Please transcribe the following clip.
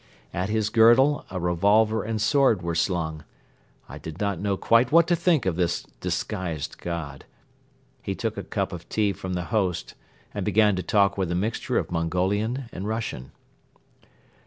At his girdle a revolver and sword were slung. I did not know quite what to think of this disguised god. He took a cup of tea from the host and began to talk with a mixture of Mongolian and Russian.